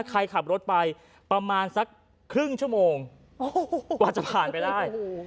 ใครขับรถไปประมาณสักครึ่งชั่วโมงกว่าจะผ่านไปได้